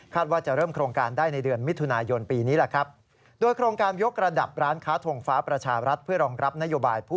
คาดว่าจะเริ่มโครงการได้ในเดือนมิถุนายนปีนี้ใน